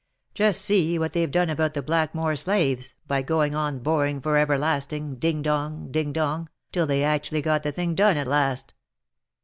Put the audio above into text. — Just see what they've done about the blackamoor slaves, by going on boring for everlasting, ding dong, ding dong, till they actually got the thing done at last.